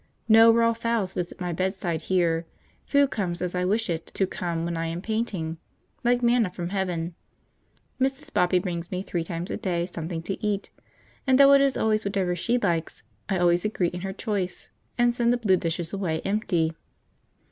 No raw fowls visit my bedside here; food comes as I wish it to come when I am painting, like manna from heaven. Mrs. Bobby brings me three times a day something to eat, and though it is always whatever she likes, I always agree in her choice, and send the blue dishes away empty.